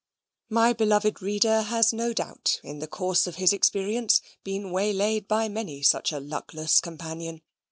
My beloved reader has no doubt in the course of his experience been waylaid by many such a luckless companion.